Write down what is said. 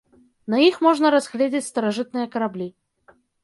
На іх можна разгледзець старажытныя караблі.